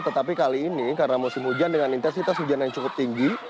tetapi kali ini karena musim hujan dengan intensitas hujan yang cukup tinggi